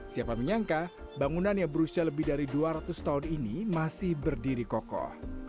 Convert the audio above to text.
siapa menyangka bangunan yang berusia lebih dari dua ratus tahun ini masih berdiri kokoh